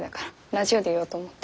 ラジオで言おうと思って。